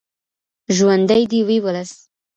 ژوندی دې وي ولس.